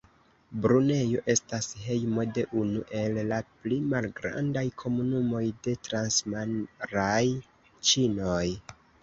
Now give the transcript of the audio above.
Brunejo estas hejmo de unu el la pli malgrandaj komunumoj de transmaraj ĉinoj.